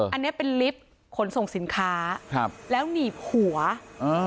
อันนี้เป็นลิฟต์ขนส่งสินค้าครับแล้วหนีบหัวอ่า